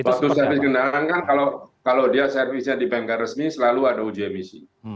waktu servis kendaraan kan kalau dia servisnya di banker resmi selalu ada uji emisi